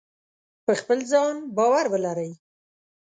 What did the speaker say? په خپل ځان باور ولرئ.